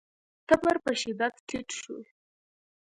تبر په شدت ټيټ شو.